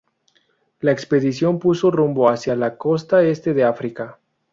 La expedición puso rumbo hacia la costa este de África.